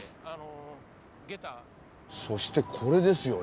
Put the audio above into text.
そしてこれですよね。